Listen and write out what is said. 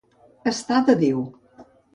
Estar de Déu.